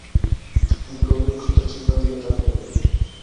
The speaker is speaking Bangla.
আমি গভীর ক্ষতচিহ্নের দিকে তাকিয়ে রইলাম।